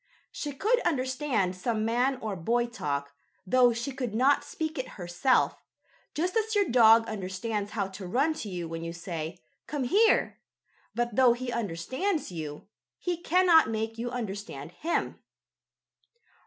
She could understand some man or boy talk, though she could not speak it herself, just as your dog understands how to run to you when you say: "Come here!" But, though he understands you, he cannot make you understand him.